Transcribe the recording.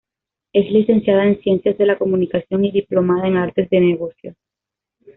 Es Licenciada en Ciencias de las Comunicación y Diplomada en Artes de Negocios.